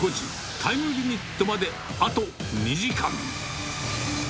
タイムリミットまであと２時間。